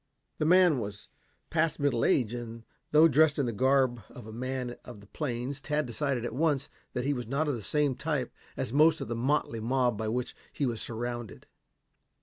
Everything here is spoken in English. The man was past middle age, and, though dressed in the garb of a man of the plains, Tad decided at once that he was not of the same type as most of the motley mob by which he was surrounded.